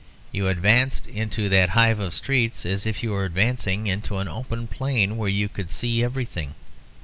You advanced into that hive of streets as if you were advancing into an open plain where you could see everything.